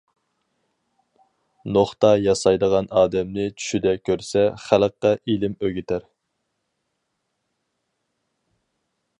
نوختا ياسايدىغان ئادەمنى چۈشىدە كۆرسە، خەلققە ئىلىم ئۆگىتەر.